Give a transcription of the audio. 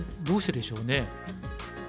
どうしてでしょう。